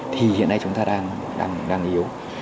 thì hiện nay chúng ta đang yếu